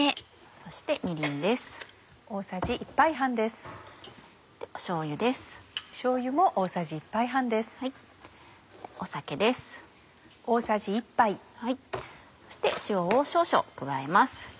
そして塩を少々加えます。